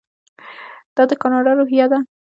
دا د کاناډا روحیه ده.